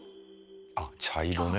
あ茶色ね。